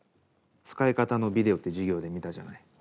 使い方のビデオって授業で見たじゃない。